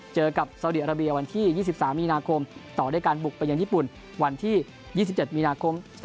เจอกับสาวดีอาราเบียวันที่๒๓มีนาคมต่อด้วยการบุกไปยังญี่ปุ่นวันที่๒๗มีนาคม๒๕๖